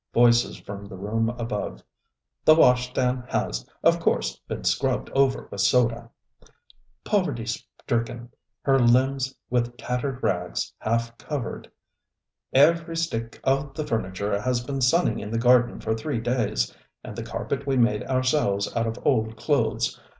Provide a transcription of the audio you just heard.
ŌĆØ Voices from the room above: ŌĆ£The washstand has, of course, been scrubbed over with soda. ŌĆØ ŌĆ£... Poverty stricken, her limbs with tattered rags half covered....ŌĆØ ŌĆ£Every stick of the furniture has been sunning in the garden for three days. And the carpet we made ourselves out of old clothes.